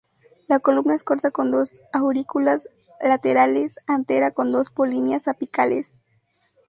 La columna es corta con dos aurículas laterales, antera con dos polinias apicales.